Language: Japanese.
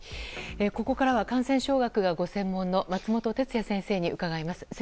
ここからは感染症学がご専門の松本哲哉先生に伺います。